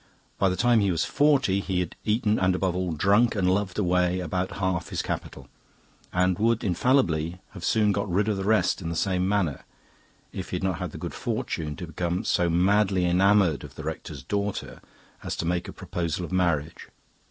By the time he was forty he had eaten and, above all, drunk and loved away about half his capital, and would infallibly have soon got rid of the rest in the same manner, if he had not had the good fortune to become so madly enamoured of the Rector's daughter as to make a proposal of marriage.